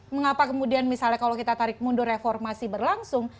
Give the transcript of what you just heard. mengapa kemudian misalnya kalau kita tarik mundur reformasi berlangsung